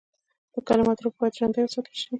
د کلماتو روح باید ژوندی وساتل شي.